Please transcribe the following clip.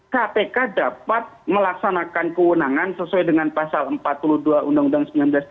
kpk dapat melaksanakan kewenangan sesuai dengan pasal empat puluh dua undang undang sembilan belas dua ribu sembilan belas